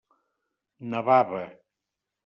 Nevava.